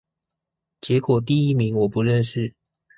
結果第一名我不認識